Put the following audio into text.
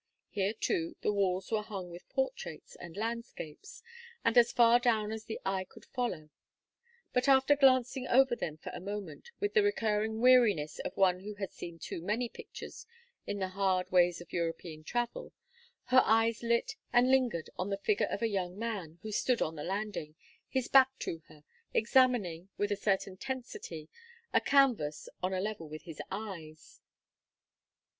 Here, too, the walls were hung with portraits and landscapes, and as far down as the eye could follow; but after glancing over them for a moment with the recurring weariness of one who has seen too many pictures in the hard ways of European travel, her eyes lit and lingered on the figure of a young man who stood on the landing, his back to her, examining, with a certain tensity, a canvas on a level with his eyes.